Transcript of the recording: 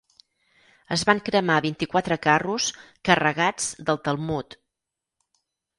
Es van cremar vint-i-quatre carros carregats del Talmud.